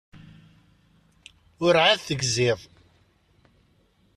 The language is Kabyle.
Urεad tegziḍ.